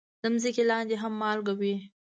د ځمکې لاندې هم مالګه وي.